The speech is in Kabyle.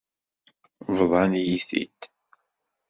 Bḍan-iyi-t-id.